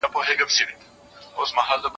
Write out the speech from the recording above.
دا مڼې له هغه تازه دي،